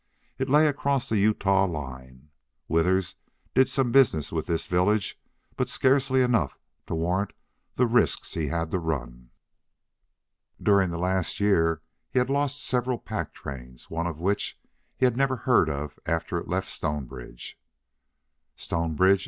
It lay across the Utah line. Withers did some business with this village, but scarcely enough to warrant the risks he had to run. During the last year he had lost several pack trains, one of which he had never heard of after it left Stonebridge. "Stonebridge!"